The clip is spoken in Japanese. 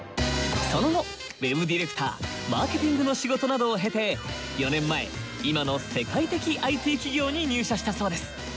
その後Ｗｅｂディレクターマーケティングの仕事などを経て４年前今の世界的ＩＴ企業に入社したそうです。